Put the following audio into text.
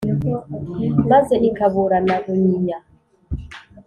maze ikaburana runyinya